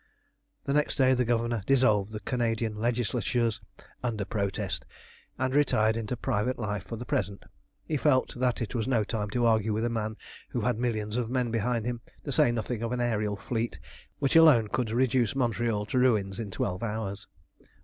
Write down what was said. The next day the Governor dissolved the Canadian Legislatures "under protest," and retired into private life for the present. He felt that it was no time to argue with a man who had millions of men behind him, to say nothing of an aërial fleet which alone could reduce Montreal to ruins in twelve hours.